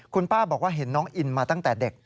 คุณป้าบอกว่าเห็นน้องอินมาตั้งแต่เด็ก